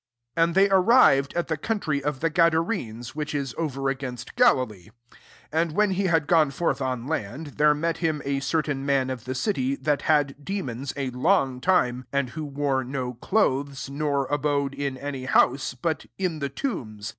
26 And they arrived at the country of the Gadarenes, which is over against Galilee. 27 And when he had gone forth on land, there met him a certain man of the city, that had demons a long time, and who wore no clothes, nor abode in any house, but in the tombs.